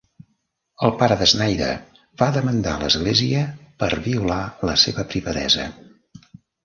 El pare de Snyder va demandar a l'església per violar la seva privadesa.